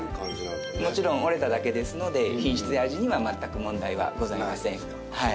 もちろん折れただけですので品質や味には全く問題はございません。